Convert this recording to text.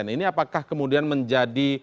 ini apakah kemudian menjadi